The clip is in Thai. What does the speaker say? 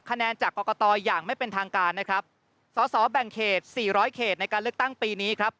คะแนนจากกรกตอย่างไม่เป็นทางการนะครับสอสอแบ่งเขตสี่ร้อยเขตในการเลือกตั้งปีนี้ครับ